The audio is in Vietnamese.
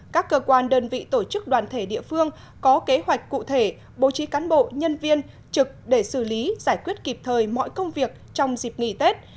các cơ quan đơn vị tổ chức đoàn thể địa phương có kế hoạch cụ thể bố trí cán bộ nhân viên trực để xử lý giải quyết kịp thời mọi công việc trong dịp nghỉ tết